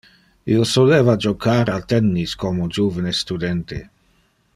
Io soleva jocar al tennis como juvene studente.